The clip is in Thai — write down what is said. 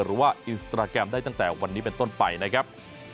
หรือว่าอินสตราแกรมได้ตั้งแต่วันนี้เป็นต้นไปนะครับ